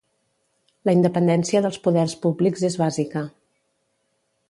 La independència dels poders públics és bàsica.